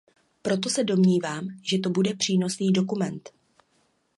Proto se domnívám, že to bude přínosný dokument.